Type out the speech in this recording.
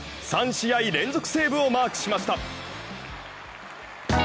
３試合連続セーブをマークしました。